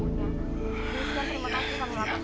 pemirsa terima kasih sama bapak